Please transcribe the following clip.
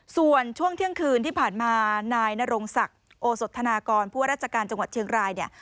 ส่วนช่วงเที่ยงคืนที่ผ่านมานายนรงศักดิ์โอสธนากรผู้ว่าราชการจังหวัดเชียงรายเนี่ย